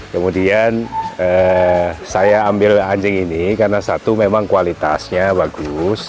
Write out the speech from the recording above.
kemudian saya ambil anjing ini karena satu memang kualitasnya bagus